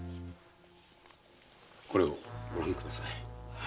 これをご覧ください。